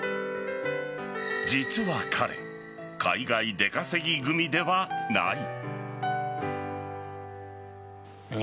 実は彼、海外出稼ぎ組ではない。